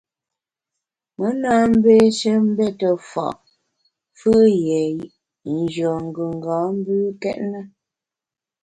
Me na mbeshe mbete fa’ fù’ yie nyùen gùnga mbükét na.